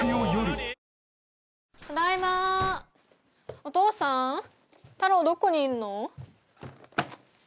お父さんタローどこにいんの？